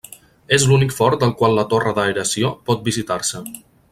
És l'únic fort del qual la torre d'aeració pot visitar-se.